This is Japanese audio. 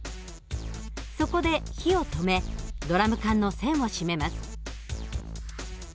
そこで火を止めドラム缶の栓を閉めます。